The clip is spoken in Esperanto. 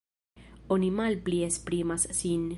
Oni malpli esprimas sin.